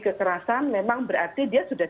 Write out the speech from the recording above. kekerasan memang berarti dia sudah